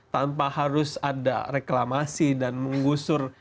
tanpa harus ada reklamasi dan menggusur